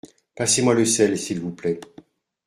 Passez-moi le sel s’il vous plait.